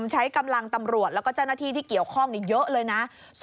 ใช้กำลังตำรวจแล้วก็เจ้าหน้าที่ที่เกี่ยวข้องเยอะเลยนะ